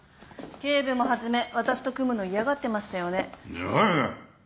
警部も初め私と組むの嫌がってましたよね。